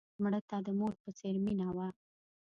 مړه ته د مور په څېر مینه وه